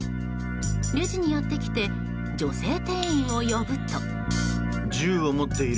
レジにやってきて女性店員を呼ぶと。